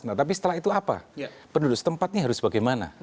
nah tapi setelah itu apa penduduk setempat ini harus bagaimana